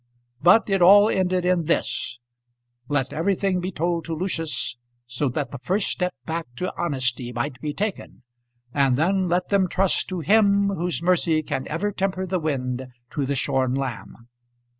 But it all ended in this: Let everything be told to Lucius, so that the first step back to honesty might be taken, and then let them trust to Him whose mercy can ever temper the wind to the shorn lamb.